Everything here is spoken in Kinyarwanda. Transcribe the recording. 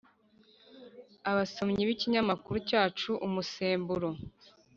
abasomyi b’ikinyamakuru cyacu umusemburo